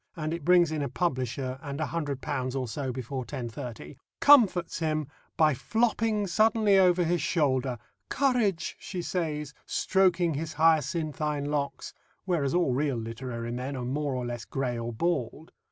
and it brings in a publisher and £100 or so before 10.30 comforts him by flopping suddenly over his shoulder. "Courage," she says, stroking his hyacinthine locks (whereas all real literary men are more or less grey or bald).